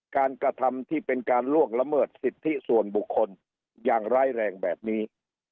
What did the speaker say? กระทำที่เป็นการล่วงละเมิดสิทธิส่วนบุคคลอย่างร้ายแรงแบบนี้